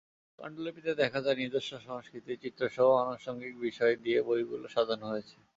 পাণ্ডুলিপিতে দেখা যায়, নিজস্ব সংস্কৃতির চিত্রসহ আনুষঙ্গিক বিষয় দিয়ে বইগুলো সাজানো হয়েছে।